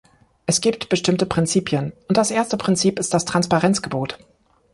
Es gibt bestimmte Prinzipien und das erste Prinzip ist das Transparenzgebot.